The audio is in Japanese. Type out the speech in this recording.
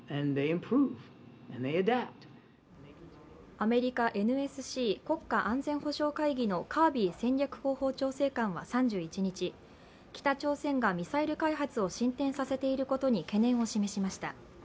アメリカＮＳＣ＝国家安全保障会議のカービー戦略広報調整官は３１日、北朝鮮がミサイル開発を進展させていることに懸念を示しました。